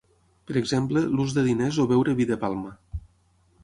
Per exemple, l'ús de diners o beure vi de palma.